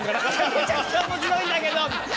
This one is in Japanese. めちゃくちゃ面白いんだけど！」。